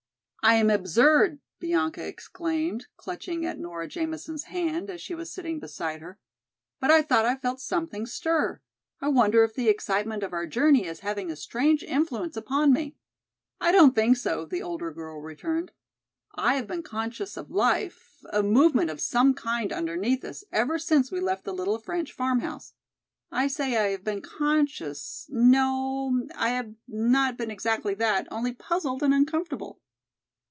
"I am absurd!" Bianca exclaimed, clutching at Nora Jamison's hand, as she was sitting beside her. "But I thought I felt something stir. I wonder if the excitement of our journey is having a strange influence upon me?" "I don't think so," the older girl returned, "I have been conscious of life, a movement of some kind underneath us ever since we left the little French farmhouse. I say I have been conscious, no, I have not been exactly that, only puzzled and uncomfortable."